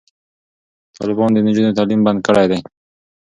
طالبانو د نجونو تعلیم بند کړی دی.